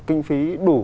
kinh phí đủ